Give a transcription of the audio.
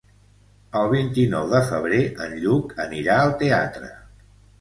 El vint-i-nou de febrer en Lluc anirà al teatre.